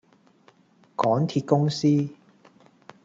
港鐵公司